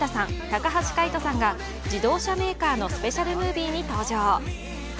高橋海人さんが自動車メーカーのスペシャルムービーに登場。